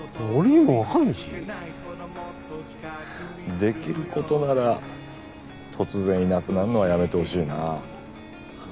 できる事なら突然いなくなるのはやめてほしいな。